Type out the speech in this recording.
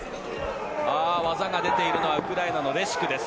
技が出ているのはウクライナのレシュクです。